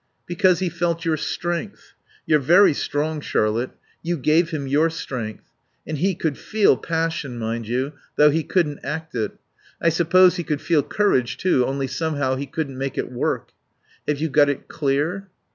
"Because he felt your strength. You're very strong, Charlotte. You gave him your strength. And he could feel passion, mind you, though he couldn't act it.... I suppose he could feel courage, too, only somehow he couldn't make it work. Have you got it clear?"